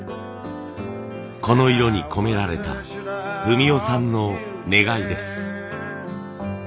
この色に込められた文雄さんの願いです。